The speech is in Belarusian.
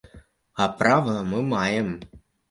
А права мы маем.